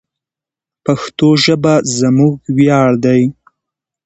پښتو ژبه زموږ ویاړ دی.